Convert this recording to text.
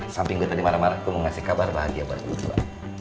samping gue tadi marah marah gue mau ngasih kabar bahagia buat gue dulu